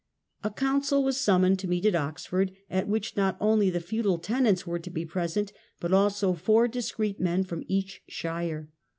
A council was summoned to meet at Oxford, at which not only the feudal tenants were to be present, but also four discreet men from each shire.